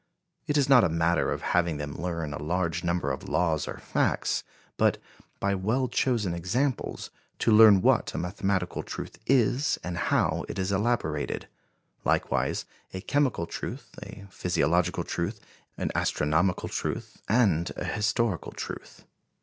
It is not a matter of having them learn a large number of laws or facts, but, by well chosen examples, to learn what a mathematical truth is and how it is elaborated; likewise a chemical truth, a physiological truth, an astronomical truth and a historical truth.